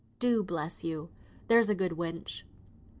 Do! bless you, there's a good wench."